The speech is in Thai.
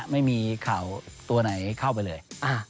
ไม่มีข่าวตัวไหนเข้าไปเลย